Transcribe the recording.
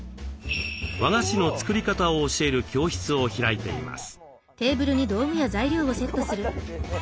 和菓子の作り方を教える教室を開いています。